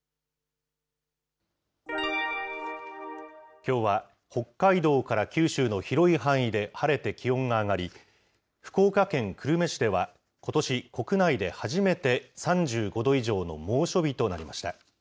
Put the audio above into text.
きょうは北海道から九州の広い範囲で晴れて気温が上がり、福岡県久留米市ではことし国内で初めて、３５度以上の猛暑日となりました。